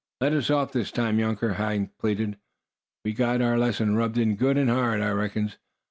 "Let us off this time, younker," Hank pleaded. "We got our lesson rubbed in good an' hard, I reckons.